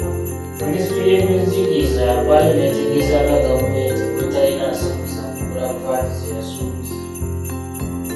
Minisitule y'ebyenjigiriza yavaayo n'etegeeza nga gavumenti bwe etalina nsimbi zaakugula paadi zeyasubiza.